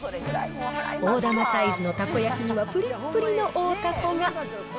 大玉サイズのたこ焼きにはぷりっぷりの大たこが。